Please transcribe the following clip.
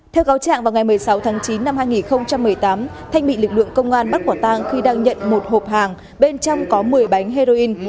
theo cáo trạng vào ngày một mươi sáu tháng chín năm hai nghìn một mươi tám thanh bị lực lượng công an bắt quả tang khi đang nhận một hộp hàng bên trong có một mươi bánh heroin